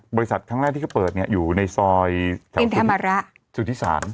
บริษัทครั้งแรกที่เค้าเปิดเนี้ยอยู่ในซอยเอ็นทรมาระสุทธิศาสตร์อ่า